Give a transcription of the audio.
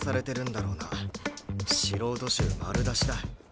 素人臭丸出しだ。